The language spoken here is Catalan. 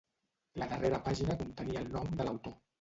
La darrera pàgina contenia el nom de l'autor.